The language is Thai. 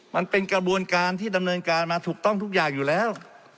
มันเป็นกระบวนการที่ดำเนินการมาถูกต้องทุกอย่างอยู่แล้ว